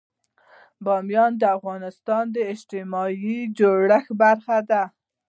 بامیان د افغانستان د اجتماعي جوړښت برخه ده.